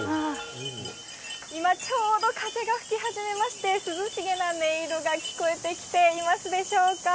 今ちょうど、風が吹き始めまして、涼しげな音色が聞こえていますでしょうか。